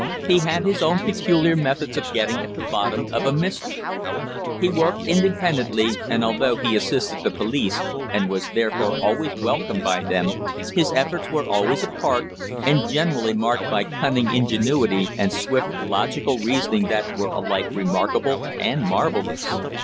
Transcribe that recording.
He had his own peculiar methods of getting at the bottom of a mystery. He worked independently, and although he assisted the police and was therefore always welcomed by them, his efforts were always apart, and generally marked by cunning ingenuity and swift logical reasoning that were alike remarkable and marvellous.